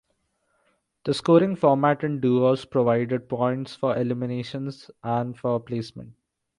The scoring format in duos provided points for eliminations and for placement.